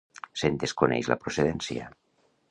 Se'n desconeix la procedència.